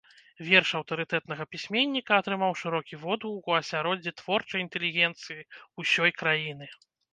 Верш аўтарытэтнага пісьменніка атрымаў шырокі водгук у асяроддзі творчай інтэлігенцыі ўсёй краіны.